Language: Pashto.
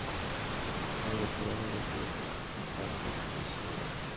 مور د کورنۍ غړو ته د پاکو اوبو د څښلو اهمیت پوهه ورکوي.